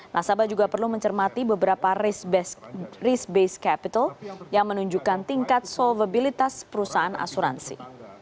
nasabah juga perlu mencermati beberapa risk based capital yang menunjukkan tingkat solvabilitas perusahaan asuransi